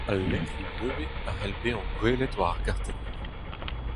Al lec'hioù nevez a c'hell bezañ gwelet war ar gartenn-mañ.